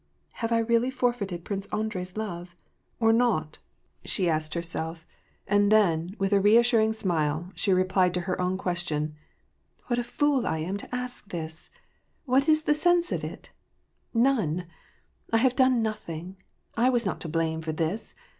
" Have I really forfeited Prince Andrei's love, or not ?" she WAR AND PEACE. 349 asked herself, and then, with a re assuring smile, she replied to her own question: ^^ What a fool I am to ask this ! What is the sense of it ? None ! I have done nothing. I was not to blame for this.